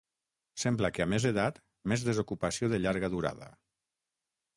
Sembla que a més edat, més desocupació de llarga durada.